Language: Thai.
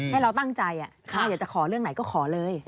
ให้เราตั้งใจอยากจะขอเรื่องไหนก็ขอเลย